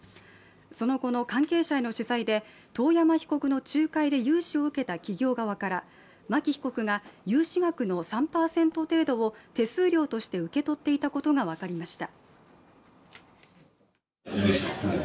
その後の関係者への取材で遠山被告の仲介で融資を受けた企業側から牧被告が融資額の３％程度を手数料として受け取っていたことが分かりました。